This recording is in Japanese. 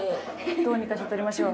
どうにかして取りましょう。